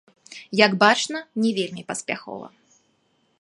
Як бачна, не вельмі паспяхова.